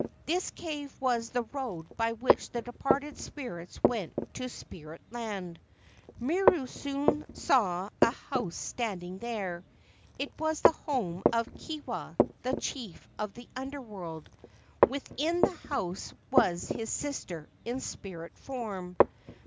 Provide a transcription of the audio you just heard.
This cave was the road by which the departed spirits went to spirit land. Miru soon saw a house standing there. It was the home of Kewa, the chief of the Under world. Within the house was his sister in spirit form.